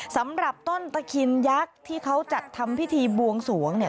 สำหรับต้นตะเคียนยักษ์ที่เขาจัดทำพิธีบวงสวงเนี่ย